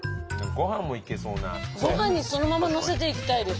ご飯にそのままのせていきたいです。